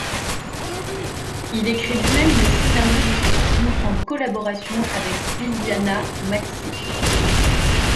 Il écrit lui-même le scénario de ce film, en collaboration avec Biljana Maksić.